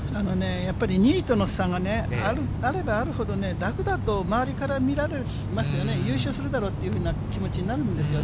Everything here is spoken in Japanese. やっぱり２位との差があればあるほど、楽だと周りから見られますよね、優勝するだろうという気持ちになるんですよ。